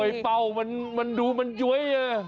โอ้พ่อมันมันดูมันมันย้วย